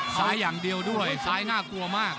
ซ้ายอย่างเดียวด้วยซ้ายน่ากลัวมาก